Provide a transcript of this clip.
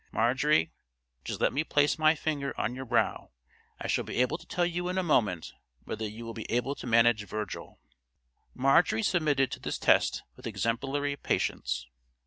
Marjorie, just let me place my finger on your brow; I shall be able to tell you in a moment whether you will be able to manage Virgil." Marjorie submitted to this test with exemplary patience.